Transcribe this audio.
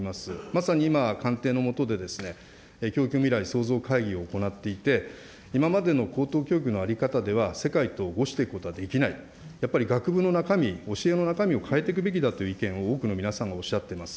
まさに今、官邸の下で、教育未来創造会議を行っていて、今までの高等教育の在り方では世界とごしていくことはできない、やっぱり学部の中身、教えの中身を変えていくべきだという意見を多くの皆さんがおっしゃっています。